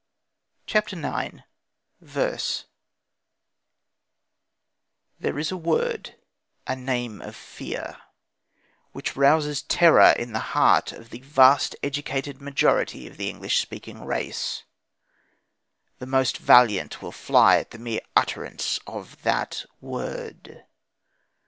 CHAPTER IX VERSE There is a word, a "name of fear," which rouses terror in the heart of the vast educated majority of the English speaking race. The most valiant will fly at the mere utterance of that word.